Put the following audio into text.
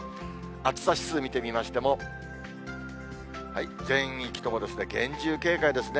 暑さ指数見てみましても、全域とも厳重警戒ですね。